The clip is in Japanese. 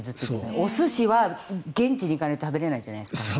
お寿司は現地に行かないと食べれないじゃないですか。